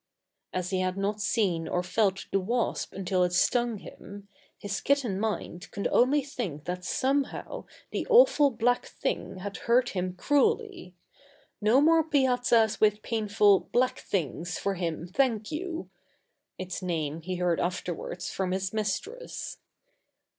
As he had not seen or felt the wasp until it stung him, his kitten mind could only think that somehow the awful black thing had hurt him cruelly. No more piazzas with painful "black things" for him, thank you! Its name he heard afterward from his mistress.